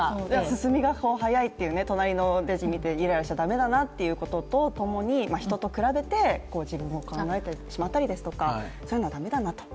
進みが早い、隣のレジを見てイライラしちゃダメだなと思うのとともに人と比べて自分のことを考えてしまったりとかそういうのは駄目だなと。